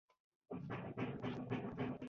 ګوتې یې پرې ووهلې.